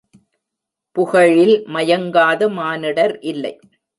புகழில் மயங்காத மானிடர் இல்லை.